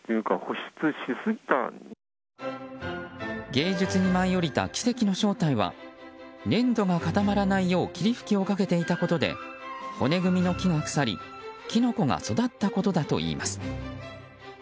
芸術に舞い降りた奇跡の正体は粘土が固まらないよう霧吹きをかけていたことで骨組みの木が腐りキノコが育ったことだといいます。